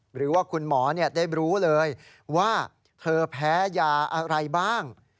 หรือว่าคุณหมอได้รู้เลยว่าเธอแพ้ยาอะไรบ้าง